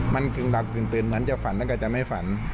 มันกึ่งหลับกึ่งตื่นเหมือนจะฝันแล้วก็จะไม่ฝัน